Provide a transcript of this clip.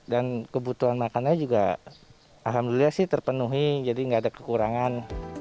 dan kebutuhan makannya juga alhamdulillah sih terpenuhi jadi nggak ada kekurangan